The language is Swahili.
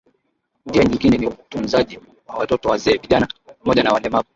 Njia nyingine ni utunzaji wa watoto wazee vijana pamoja na walemavu